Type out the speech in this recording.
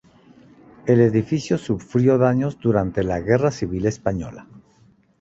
El edificio sufrió daños durante la Guerra Civil Española.